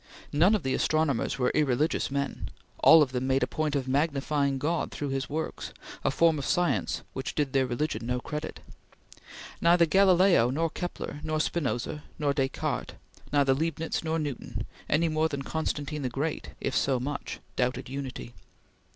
None of the astronomers were irreligious men; all of them made a point of magnifying God through his works; a form of science which did their religion no credit. Neither Galileo nor Kepler, neither Spinoza nor Descartes, neither Leibnitz nor Newton, any more than Constantine the Great if so much doubted Unity.